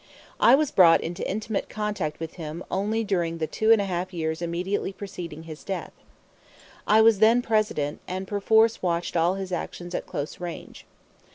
I was brought into intimate contact with him only during the two and a half years immediately preceding his death. I was then President, and perforce watched all his actions at close range.